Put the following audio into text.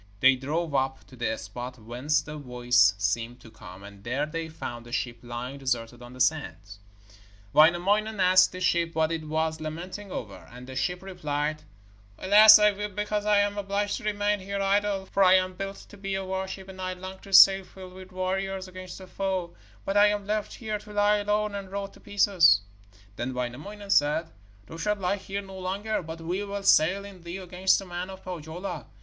They drove up to the spot whence the voice seemed to come, and there they found a ship lying deserted on the sands. Wainamoinen asked the ship what it was lamenting over, and the ship replied: 'Alas, I weep because I am obliged to remain here idle; for I was built to be a warship, and I long to sail filled with warriors against the foe, but I am left here to lie alone and rot to pieces.' Then Wainamoinen said: 'Thou shalt lie here no longer, but we will sail in thee against the men of Pohjola.